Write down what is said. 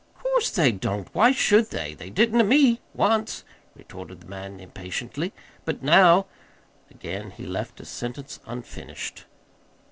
"'Course they don't! Why should they? They didn't to me once," retorted the man impatiently. "But now " Again he left a sentence unfinished.